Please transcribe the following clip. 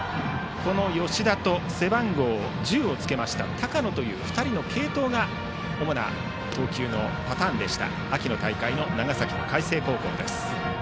吉田と背番号１０をつけました高野という２人の継投が主なパターンでした秋の大会の長崎の海星高校。